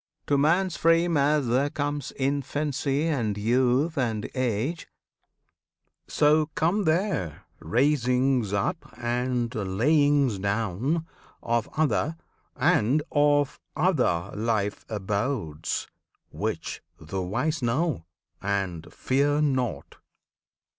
To man's frame As there come infancy and youth and age, So come there raisings up and layings down Of other and of other life abodes, Which the wise know, and fear not.